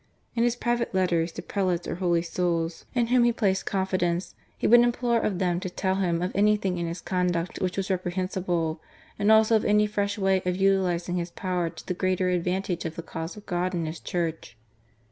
In his private letters to prelates or holy souls in whom he placed confidence, he would implore of them to tell him of anything in his conduct which was repre hensible, and also of any fresh way of utilizing his power to the greater advantage of the cause of God and His Church.